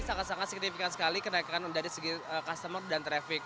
sangat sangat signifikan sekali kenaikan dari segi customer dan traffic